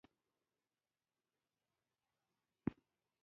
لیکل د اطاعت تمرین ګڼل کېده.